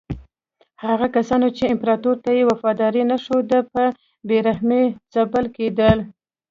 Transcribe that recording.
هغه کسان چې امپراتور ته یې وفاداري نه ښوده په بې رحمۍ ځپل کېدل.